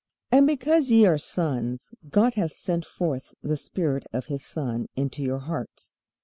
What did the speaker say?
And because ye are sons, God hath sent forth the Spirit of his Son into your hearts.